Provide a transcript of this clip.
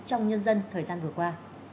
trong nhân dân thời gian vừa qua